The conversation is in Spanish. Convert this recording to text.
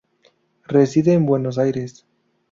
Reside en Buenos Aires.